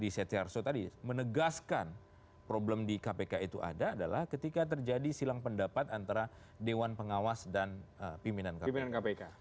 di setiarso tadi menegaskan problem di kpk itu ada adalah ketika terjadi silang pendapat antara dewan pengawas dan pimpinan kpk